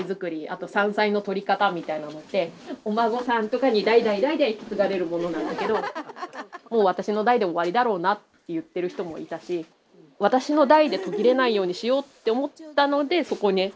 あと山菜の採り方みたいなのってお孫さんとかに代々代々引き継がれるものなんだけど「もう私の代で終わりだろうな」って言ってる人もいたし私の代で途切れないようにしようって思ったのでそこをね